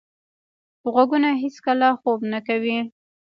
غوږونه هیڅکله خوب نه کوي.